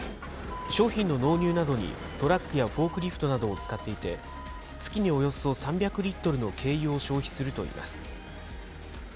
商品の納入などにトラックやフォークリフトなどを使っていて、月におよそ３００リットルの軽油を消費するといいます。